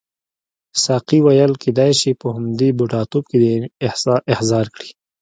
ساقي وویل کیدای شي په همدې بوډاتوب کې دې احضار کړي.